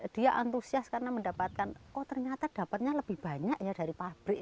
dia antusias karena mendapatkan oh ternyata dapatnya lebih banyak ya dari pabrik